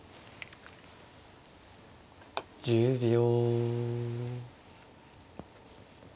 １０秒。